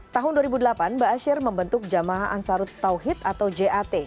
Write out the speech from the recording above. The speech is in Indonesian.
tahun dua ribu delapan ⁇ baasyir ⁇ membentuk jamaah ansarut tauhid atau jat